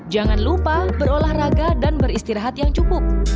jangan lupa berolahraga dan beristirahat yang cukup